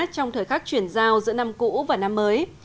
trong thời khắc chuyển giao giữa năm cũ và năm mới